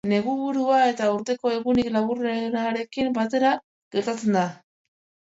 Neguburua da eta urteko egunik laburrenarekin batera gertatzen da.